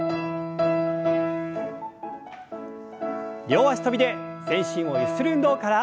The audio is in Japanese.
両脚跳びで全身をゆする運動から。